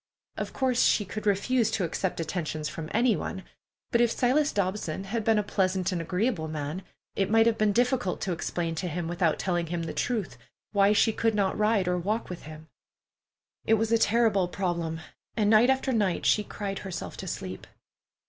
Of course she could refuse to accept attentions from any one, but if Silas Dobson had been a pleasant and agreeable man, it might have been difficult to explain to him without telling him the truth why she could not ride nor walk with him. It was all a terrible problem, and night after night she cried herself to sleep.